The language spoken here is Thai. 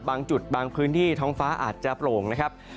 บางจุดบางพื้นที่ท้องฟ้าอาจจะโปร่งนะครับ